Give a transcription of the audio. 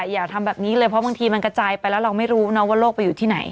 อย่าทำแบบนี้เลยเพราะบางทีมันกระจายไปแล้วเราไม่รู้นะว่าโลกไปอยู่ที่ไหน